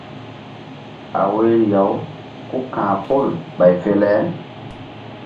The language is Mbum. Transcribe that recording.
A woyri-aw ku ka̧h pol ɓay fe le.